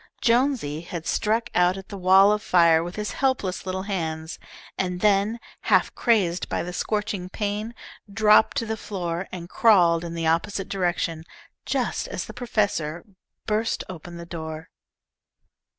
Jonesy had struck out at the wall of fire with his helpless little hands, and then, half crazed by the scorching pain, dropped to the floor and crawled in the opposite direction, just as the professor burst open the door.